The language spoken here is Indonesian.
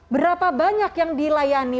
berapa banyak yang dilayani